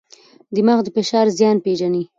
دماغ د فشار زیان پېژني.